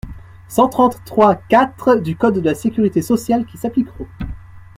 cent trente-trois-quatre du code de la sécurité sociale qui s’appliqueront.